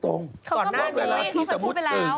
ก่อนนั้นเขาก็พูดไปแล้ว